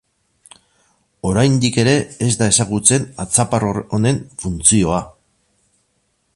Oraindik ere ez da ezagutzen atzapar honen funtzioa.